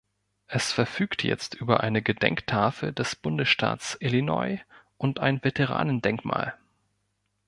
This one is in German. Es verfügt jetzt über eine Gedenktafel des Bundesstaats Illinois und ein Veteranendenkmal.